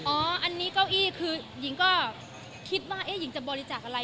อ๋ออันนี้เก้าอี้คือหญิงก็คิดว่าหญิงจะบริจาคอะไร